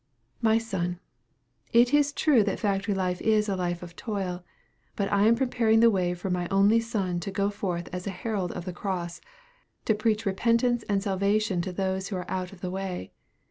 "My son, it is true that factory life is a life of toil but I am preparing the way for my only son to go forth as a herald of the cross, to preach repentance and salvation to those who are out of the way.